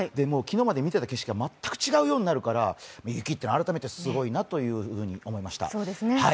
昨日まで見てた景色が全く違うようになるから雪って改めてすごいなというふうに思いました。